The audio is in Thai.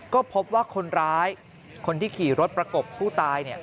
ก็พบว่าคนร้ายคนที่ขี่รถประกบผู้ตาย